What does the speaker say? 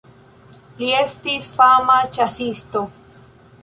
Li estis fama ĉasisto.